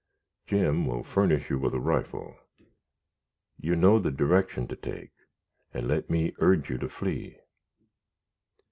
Jim will furnish you with a rifle. You know the direction to take, and let me urge you to flee."